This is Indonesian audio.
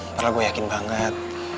apalagi gue yakin banget